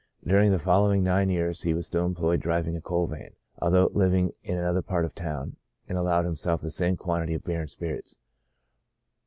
During the following nine years he was still employed driv ing a coal van, although living in another part of the town, and allowed himself the same quantity of beer and spirits.